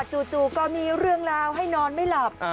จู่ก็มีเรื่องราวให้นอนไม่หลับ